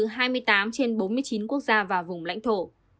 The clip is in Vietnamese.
so với châu á tổng số ca tử vong trên bốn mươi chín quốc gia và vùng lãnh thổ